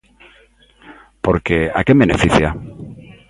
Porque, ¿a quen beneficia?